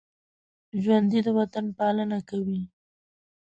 ژوندي د وطن پالنه کوي